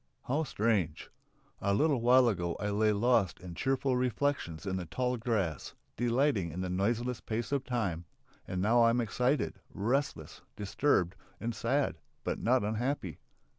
How strange! A little while ago I lay lost in cheerful reflections in the tall grass, delighting in the noiseless pace of time, and now I am excited, restless, disturbed, and sad, but not unhappy.